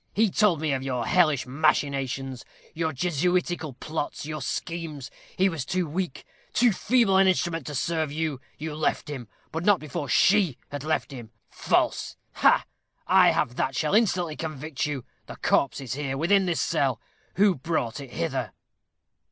He told me of your hellish machinations; your Jesuitical plots; your schemes. He was too weak, too feeble an instrument to serve you. You left him, but not before she had left him. False! ha, I have that shall instantly convict you. The corpse is here, within this cell. Who brought it hither?"